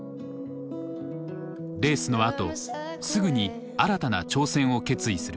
レースのあとすぐに新たな挑戦を決意する。